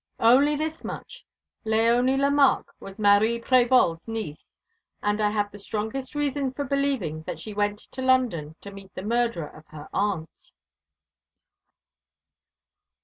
"Only this much. Léonie Lemarque was Marie Prévol's niece: and I have the strongest reason for believing that she went to London to meet the murderer of her aunt."